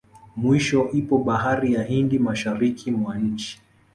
Mwisho ipo bahari ya Hindi mashariki mwa nchi